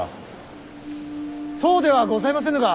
そうではございませぬが。